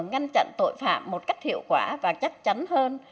ngăn chặn tội phạm một cách hiệu quả và chắc chắn hơn